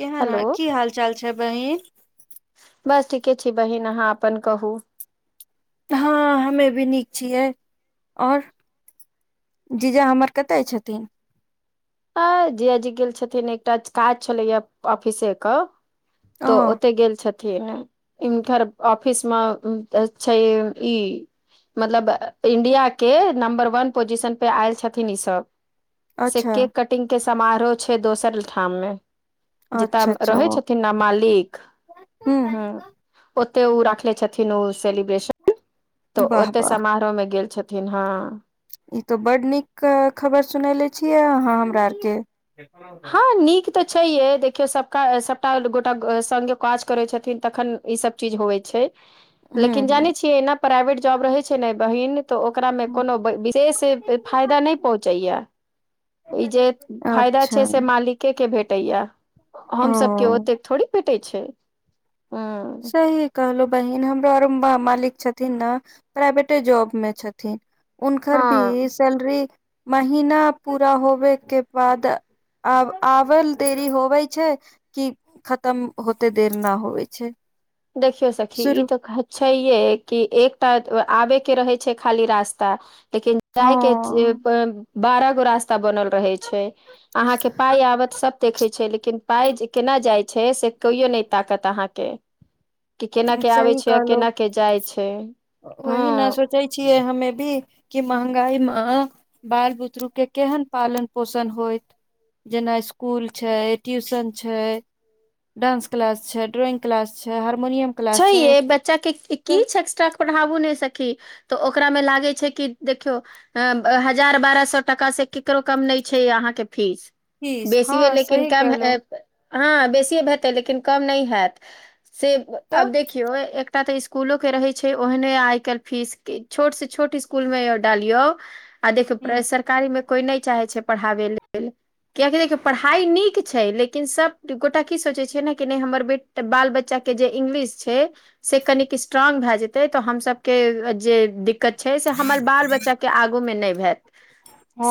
केहन हेलो की हाल चाल छै बहिन बस ठीके छै बहिन अहाँ अपन कहू हँ हमे भी नीक छियै आओर जीजा हमर कतऽ छथिन आ जियाजी गेल छथिन एकटा काज छलैया ऑफिसे के ओ तऽ ओत गेल छथिन हिनकर ऑफिस मे छै ई मतलब इंडिया के नम्बर वन पोजिशन पे आयल छथिन ई सब से अच्छा केक कटिंग के समारोह छै दोसर ठाम मे जत अच्छा अच्छा रहै ओ छथिन ने मालिक हूँ हँ ओते ओ राखले छथिन ओ सेलिब्रेशन तऽ वाह ओते वाह समारोह मे गेल छथिन हँ ई तऽ बड नीक खबर सुननेे छियै अहाँ हमरा आरके हँ नीक तऽ छैे देखियौ सबटा सबटा गोटा स काज करै छथिन तखन ई सब चीज होबै छै हूँ लेकिन हूँ जानै छियै एना प्राइवेट जॉब रहै छै ने बहिन तऽ ओकरामे कोनो विशेष फायदा नहि पहुँचैया ई जे फायदा छै अच्छा से मालिके के भेटैया हमसब के ओ ओतेक थोड़े भेटै छै ह सही कहलहु बहिन हमरो आरो मालिक छथिन ने प्राइवेटे जॉब में छथिन उनकर भी हँ सैलरी महिना पूरा होबे के बाद आब आबल देरी होवे छै कि खत्म होते देर न होवे छै देखियौ सखी ई शुरू तऽ कह छै ये कि एकटा आबे के रहै छै खाली रास्ता लेकिन जाय के हँ बारह गो रास्ता बनल रहे छै अहाँके पाइ आबत सभ देखैत छै लेकिन पाइ जे केना जाइत छै से कहिो नहि ताकत अहाँके कि केना के आबै सही छै आ कहलो केना के जाइ छै हँ वही न सोचै छियै हमे भी कि महगाई मे बाल बुतरूके केहन पालन पोषण होइत जेना स्कुल छै ट्यूशन छै डान्स क्लास छै ड्रोइंग क्लास छै हारमोनियम छै ये बच्चा के की सब छै एक्स्ट्रा पढ़ाबू नहि सखी तऽ ओकरामे लागै छै कि देखियौ अ हजार बारह सए टका से केकरो कम नहि छै अहाँके फीस चीज बेसी है हँ लेकिन सही कम कहलौं हँ बेसी हेतै लेकिन कम नहि हैत से आब तऽ देख देखियो एकटा ते स्कूलो के रहे छै ओहने आय काल्हि फीस के छोट से छोटकू स्कुल मे डालियौ आ देखौ हूँ सरकारी मे कोई नहि चाहे छै पढ़ाबे लेल कियाकि देखियौ पढ़ाइ नीक छै लेकिन सब गोटा की सोचै छियै ने कि नहि हमर बे बाल बच्चाके जे इंगलिश छै से कनिक स्ट्रोंग भ जेते त हम सबके जे दिक्कत छै से हमर बाल बच्चा के आगू मे नहि हैत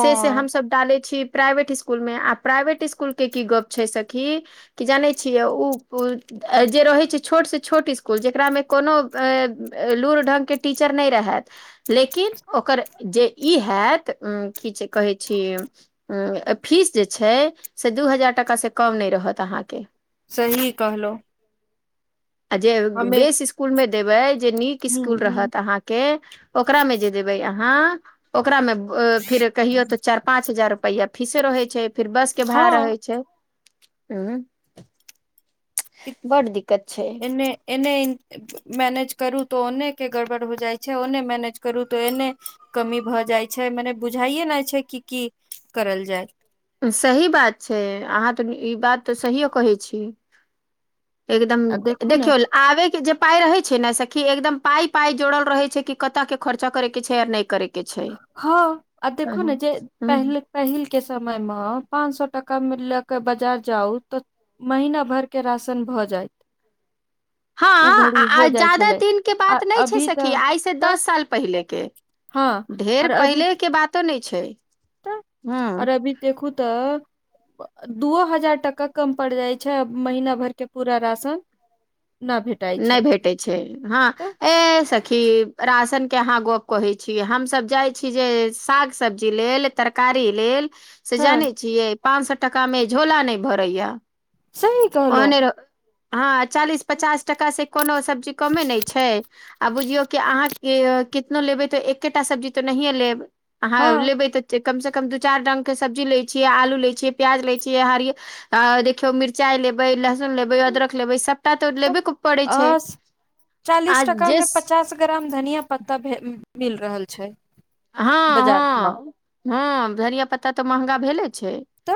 से से हमस डाले छी प्राइवेट स्कुल मे आ प्राइवेट स्कूल के की गप छै सखी कि जानै छिय ओ जे रहै छै छोटसँ छोट इसकुल जेकरामे कोनो लूुर ढङ्गके टीचर नहि रहथि लेकिन ओकर जे ई हैत की जे कहै छी फीस जे छै से दू हजार टाकासँ कम नहि रहत अहाँकेँ सही कहलहुँ आ जे बेस स्कूल मे देबे जे नीक हूँ स्कूल हूँ रहत अहाँक केँ ओकरा मे जे देबै अहाँ ओकरा मे फिर कहियो तऽ चार पाँच हजार रुपैया फीसे रहै छै फिर बस के भाड़ा हँ रहै छै हूँ बड्ड दिक्कत छै नै एने मैनेज करू तो ओने के गड़बड़ हो जाइ छै ओने मैनेज करू त एने कमी भऽ जाइ छै मने बुझाइए नहि छै कि की करल जाय सही बात छै अहाँ तऽ ई बात तऽ सहिये कहै छी एकदम आ देखू ने देखियौ आबे के जे पाय रहे छै नऽ सखी एकदम पाय पाय जोड़ल रहे छै की केतअ के खर्चा करे के छै और नहि करे के छै हँ आ देखो नऽ हूँ, जे हूँ। पहिले पहिलके समयमे पाँच सौ टाकामे लऽ कऽ बाजार जाउ तऽ महीना भर के राशन भऽ जाय हँ उ घड़ी आ आ हो जाइ जादा छलै दिन के आ बात नहि छै अभी तऽ सखी आइ से तऽ दस साल पहिले के हँ ढेर आर अभी पहिले के बातो नहि छै तऽ आओर हँ अभी देखू तऽ दूओ हजार टाका कम पड़ जाइ छै महीना भर के पूरा राशन नऽ भेट नहि भेटैत छै हँ ए सखी राशनके अहाँ गप कहै छी हमसभ जाइ छी जे साग सब्जी लेल तरकारी लेल से हँ जानै छियै पाच सौ टाका मे झोला नहि भरै यऽ सही कहलौं ओनेरो हँ चालीस पचास टक से कोनो सब्जी कमे नहि छै आ बुझियौ कि अहाँकेँ कितनो लेबै तऽ एकेटा सब्जी तऽ नहिए लेब अहाँ हँ लेबै तऽ कम से कम दू चार रंग के सब्जी लैय छियै आलू लैय छिये प्याज लैय छियै हरियर देखियो मिर्च चाय लेबै लहसुनेबै अदरक लेबै सभटा तऽ लेबे कऽ अस चालीस जे टकामे पचास स- पचास ग्राम धनिया पत्ता भेऽ मिल रहल छै हँ बाजार मऽ हँ हँ धरिया पत्ता तऽ महगा भेले छै तऽ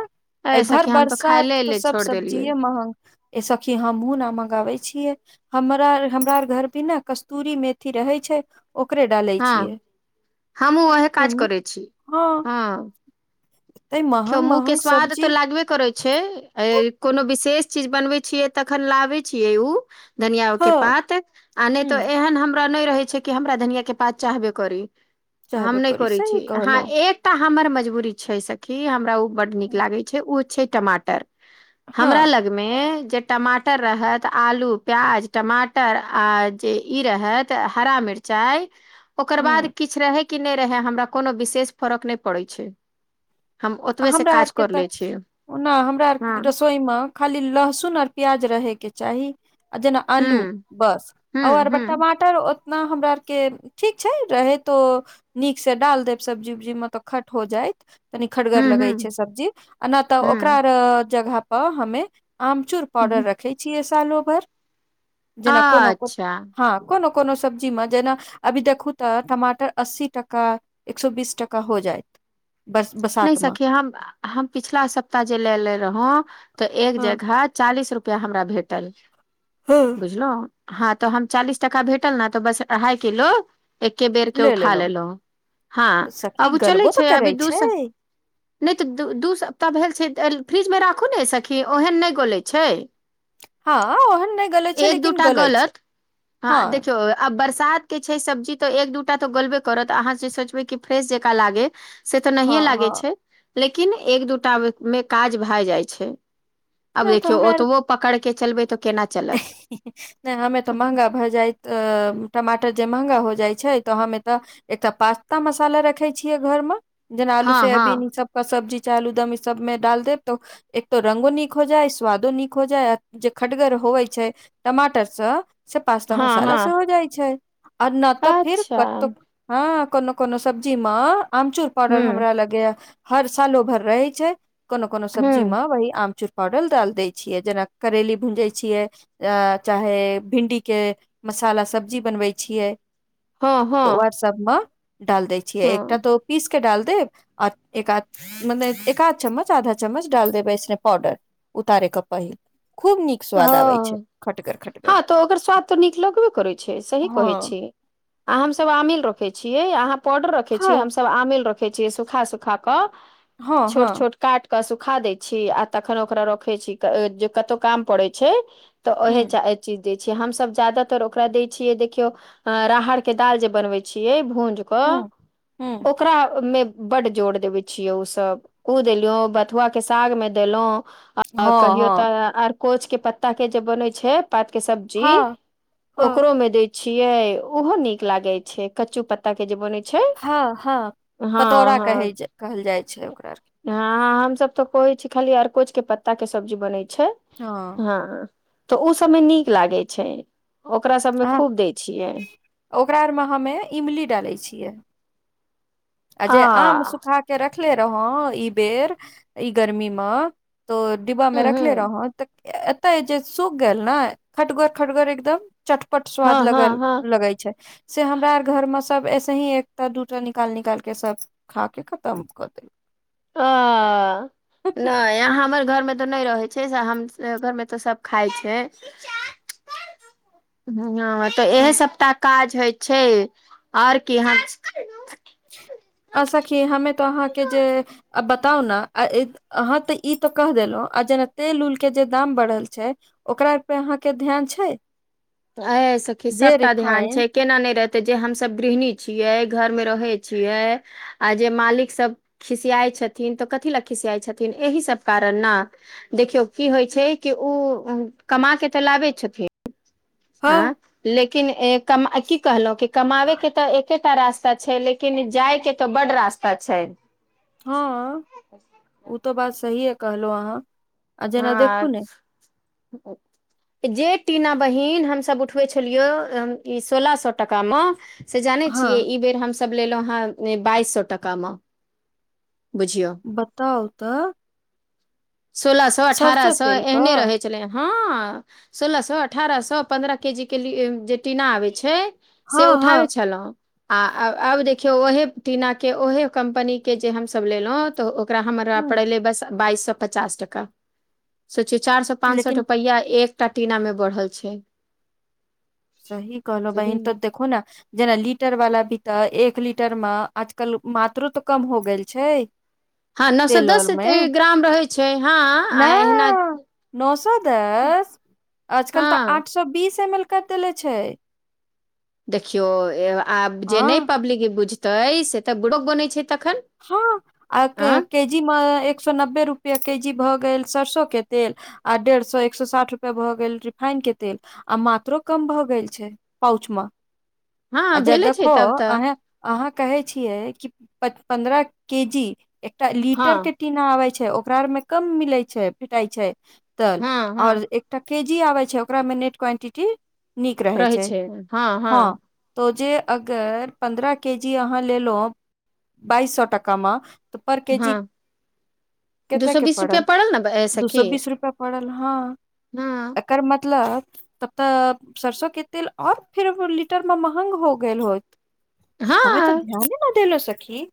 एहि ए भर सखी हम तऽ खाय बरसात ले तऽ ले सब छोड़ देलियै सब्जीेये महग ए सखी हमहुँ नमागाबै छियै हमरा अर हमरा अर घरपे नऽ कस्तूरी मेथी रहै छै ओकरे डालै हँ छियै हमहुँ ओहे काज केना करै छी हँ तहि मऽ देखियो मुँह केँ स्वाद त लागबे करै छै तऽ एय कोनो विशेष चीज बनबै छियै तखन लाबै छियै ऊ धनिया ओ ह केँ पात आ नहि ह तो एहन हमरा नहि रहे छै की हमरा धनियाकेँ पात चाहबे करी हम चाहबे नहि करी करै सही छी अहाँ कहलो एक टा हमर मजबूरी छै सखी हमरा ओ बड्ड नीक लागै छै ओ छै टमाटर हमरा हँ लग मे जे टमाटर रहत आलू प्याज टमाटर आ जे ई रहत त हरा मिर्चाइ ओकर ह बाद किछ रहे कि नहि रहै हमरा कोनो विशेष फरक ने पड़ै छै हम ओतबे से हमरा काज आरके कर त ले छियै ओता हमरा हँ आरके रसोई मऽ खाली लहसुन आओर प्याज रहैके चाही जेना आलू हूँ बस हूँ आओर हूँ [unintelligible] ओतना हमरा आर के ठीक छै रहेतो नीक से डाल देब सब्जी उब्जी मे त खट हो जायत तनी खड़गर लगे छै हूँ सब्जी आ नहि तऽ हूँ ओकरा जगह पर हमे आमचूर पाउडर हूँ रखे छियै सालो भरि जेना कोनो को अच्छा हँ कोनो कोनो सब्जी मे जेना अभी देखूँ त टमाटर अस्सी टका एक सए बीस टाका हो जायइत नहि सखी हम हम पिछला सप्ताह जे लेे रहौ तऽ एक हँ जगह चालीस रुपआ हमरा भेटल हँ बुझलहु हँ तऽ हम चालीस टाका भेटल ने तऽ बस अढ़ाई किलो एके बेर के ले उठा लेलो लेलहुँ हँ तऽ सखी अब ओ चलै गलबो तऽ छै करै अभी दू सप्ताह नहि तऽ दू दू सप्ताह भेल छै फ्रिजमे राखू ने सखी ओहन नहि गोलै छै हँ ओहन नहि गलै छै एक लेकिन दूटा गलै छै गलत हँ देखियौ अब बरसात के छै सब्जी तऽ एक दूटा तऽ गोलबे करत अहाँ जे सोचबे क फ्रेश जका लागे से तऽ हँ नहिये लागे हँ लेकिन एक दूटा मे काज भए जाइ छै आब तऽ देखियौ हमरा आर ओतबो पकड़के चलबै तऽ केना चलत नहि हमे तऽ महंगा भए जाइत तऽ टमाटर जे महँगा हो जाइ छै तऽ हम एतऽ एकटा पास्ता मसाला रखे छियै घर मे जेना आलू हँ सेयाबीन हँ ई सब ओ सब्जी चालू आलूदम ई सबमे डाल देब त एक तो रंगो नीक हो जाए स्वादो नीक हो जाए जे खटगर हो होवै छै टमाटर से से पास्ता हँ मसाला से हँ हो जाइ छै आ न त फिर अच्छा कतहु ह कोनो कोनो सब्जी मे आमचूर पाउडर हूँ हमरा लगे या हर सालो भर रहे छै कोनो कोनो सब्जी में हूँ वही आम चुर पाउडर डाल देय छीिये जेना करेली भूंजई छियै चाहे भिन्डी के मसाला सब्जी बनबै छियै हँ तऽ हँ उहाय सबमे डाल दै छियै एकटा हँ तऽ पीस कऽ डाल देब आऔर एक मतलब एक आध चम्मच आधा चम्मच डाल देबै एसने पाउडर उतारे क पहिले खूब नीक स्वाद आबै छै खटगर हँ खटगर तऽ ओकर स्वाद तऽ नीक लगबे करै छै सही कहै हँ छी हमसभ आमिल रखे छियै अहाँ पाडर रखे छीियै हँ हमसभ आमेल रखे छी सुखा सुखा क हँ छोट हँ छोट काट कऽ सुखा दै छी आ तखन ओकरा रखै छी जे कतहु काम पड़ै छै तऽ उह हूँ चीज दै छियै हमसभ ज्यादातर ओकरा दै छियै देखियौ अ राहड़के दालि जे बनबै छियै भूजि कऽ हूँ हूँ ओकरा मे बड जोर देबे छियै उसभ उ देलो बथुआके सागमे देलो आ हँ कहियो त हँ अर कोचके पत्ताके जे बनै छै पात के सब्जी हँ हँ ओकरो मे दै छिये ओहो नीक लागे छै कच्चू पत्ता के जे बने छै हँ हँ पतौरा कहे कहल जाइ छै ओकरा हँ हम सब तऽ कहे छी खाली अरकोच के पत्ता के सब्जी बनै छै हँ हँ त ओ सबमे नीक लागे छै ओकरा सबमे आ खूब दै छियै ओकरा आरमे हमे इमली डालै छियै आ जे आम सुखा के रखले रहौ ई बेर ई गर्मी में त डिब्बा में ह रखले रह तँ एतय जे सूख गेल ने खटगर खटगर एकदम चटपट हँ स्वाद लग हँ हँ लगै छै से हमरा आर घर में सब ऐसे ही एकटा दूटा निकाल निक निकाल के सब खा के खतम कऽ देल अ नहि यहाँ हमर घरमे त नहि रहै छै हम घरमे त सब खाए छै [unintelligible] ह तऽ इहे सबटा काज होइ छै और की ह आ सखी हमें त अहाँके जे बताउ ने हाँ त ई त‌ कह देलहु आ जेना तेल उल के जे दाम बढ़ल छै ओकरा पे अहाँके ध्यान छै ऐ सखी जे सबटा ध्यान रिफाइन छै केना नहि रहते जे हमस गृहिणी छियै घरमे रहै छियै आ जे मालिक सभ खिसियाइत छथिन तऽ कथी लए खिसियाइत छथिन एहि सभ कारण ने देखियौ की होइ छै कि ओ कमा के तऽ लाबे छथिन हँ आ लेकिन की कहलहुँ कि कमाबै के त एके एके रास्ता छै लेकिन जाय के त बड रास्ता छै हँ [inaudible] ओ तऽ बात सही है कहलहु अहाँ आ जेना देखू हँ ने [unintelligible] जे टीना बहिन हमसभ उठबै छलियै ई सोलह सौ टाका मे से जानै छियै हँ ई बेर हमस लेलहुं हेँ बाइस सौ टका मे [inaudible] बुझियौ बताउ तऽ सोलह सौ अठारह सरसो सौ तेल क एहने रहै छले हँ सोलह सौ अठारह सौ पन्द्रह के जी के ल जे टीना आबे छै हँ से उठाबै हँ छलो आ आब देखियौ ओहे टीना के ओहे कम्पनी के जे हमसभ लेलो तऽ ओकरा हम हूँ पै बस बाइस सौ पचास टका सोची चार सौ पाँच सौ लेकिन रुपैआ एकटा टीना मे बढ़ल छै सही कहलो बहिन त बुझलियै देखो ने जेना लीटरवला भी त एक लीटर में आजकल मात्रो त कम हो गेल छै हँ नौ सौ तेल दस आर मे ग्राम रहै छै हँ एहना नौ सौ दस आजकल त हँ आठ सौ बीस एम एल कर देले छै देखियौ आब जे हँ नहि पब्लिक बुझतै से तऽ बुड़क बनैत छै तखन हँ आ आँ के जी मे एक सौ नब्बे रुपआ के जी भ गेल सरसो के तेल आ डेढ़ सौ एक सौ साठ रुपआ भए गेल रिफाइनक के तेल आ मात्रो कम भऽ गेल छै पउच म [inaudible] हँ आजा भेले छै देखो तब तऽ अहे अहाँ कहे छियै कि पन्द्रह के जी एकटा लीटर के हँ टीना आबै छै ओक मे कम मिलै छै फिटाइ छै तल हँ और हँ एक एकटा केजी आबै छै ओकरामे नेट क्वानटिटी नीक रहै छै, हँ तऽ जे अगर पन्द्रह केजी अहाँ लेलहुँ बाइस सौ टकामे, तऽ पर केजी हँ दू कतेक सए के बीस रुपआ पड़ल? ने ए, दू सए सखी बीस रूपया पड़ल, हँ हँ एकर मतलब तब तऽ सरसोंके तेल आओर फेरो लीटरमे महंग हो गेल होइत? हमे तऽ हँ ध्यान न देेलो सखी!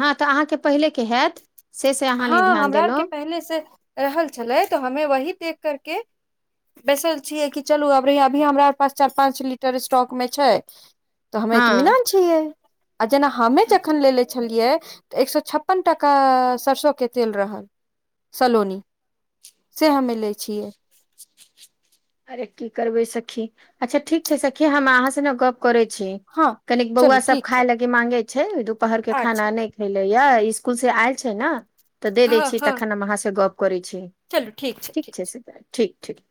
हँ तऽ अहाँकेँ पहिलेके हैत से से अहाँ हँ नहि ध्यान हमरा आरके देलहुँ पहिनेेसे रहल छलै तऽ हमे वही देख करके बैसल छियै कि चलू अब [unintelligible] अभी हमरा पास चार-पाँच लीटर स्टॉकमे छै त हमे हँ इतमिनान छियै आ जेना हमे जखन लेे ले छै छलियै तॅं एक सए छप्पन टका सरसोके तेल रहल सलोनी से हमे लै छियै, अरे की करबै सखी, अच्छा ठीक छै सखी, हम अहाँ से ने गप करै छी! हँ कनिक चलू बौआ सब ठीक छै खाय [unintelligible] के मांगे छै दुपहरके खाना अच्छा नहि खैलेया, इसकुलसे आयल छै ने तऽ दे दै हँ छी हँ तखन हम अहाँसे गप करै छी, ठीक छै, ठीक ठीक